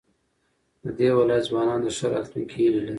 د دې ولايت ځوانان د ښه راتلونکي هيلې لري.